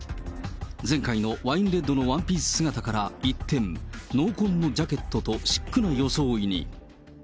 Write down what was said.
前回のワインレッドのワンピース姿から一転、濃紺のジャケットと、シックな装いに。